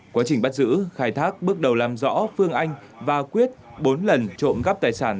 quá trình bắt giữ khai thác bước đầu làm rõ phương anh và quyết bốn lần trộm cắp tài sản